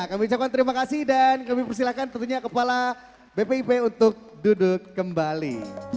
kami ucapkan terima kasih dan kami persilahkan tentunya kepala bpip untuk duduk kembali